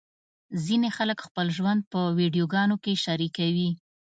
ځینې خلک خپل ژوند په ویډیوګانو کې شریکوي.